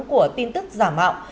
của tin tức giả mạo